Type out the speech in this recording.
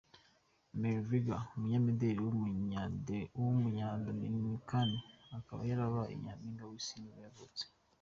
Amelia Vega, umunyamideli w’umunyadominikani akaba yarabaye nyampinga w’isi nibwo yavutse.